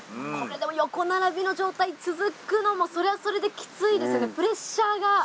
これでも横並びの状態続くのもそれはそれでキツイですねプレッシャーが。